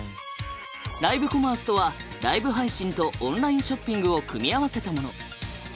ライブコマースとはライブ配信とオンラインショッピングを組み合わせたもの。